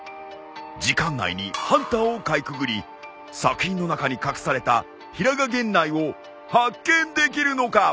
時間内にハンターをかいくぐり作品の中に隠された平賀源内を発見できるのか！？